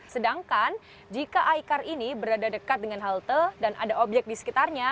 sedangkan jika icar ini berada dekat dengan halte dan ada obyek di sekitarnya